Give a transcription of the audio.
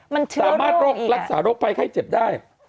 มันเชื้อโรคสามารถรักษาโรคภัยไข้เจ็บได้